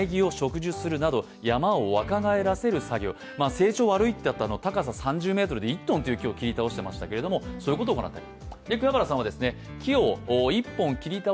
成長が悪いというのは、高さ３０ｍで１ｔという木を切り倒していましたけれども、そういうことを行っている。